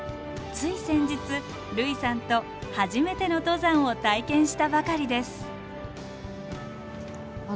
つい先日類さんと初めての登山を体験したばかりです。